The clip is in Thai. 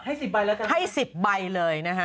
ให้๑๐ใบแล้วกันนะครับให้๑๐ใบเลยนะฮะ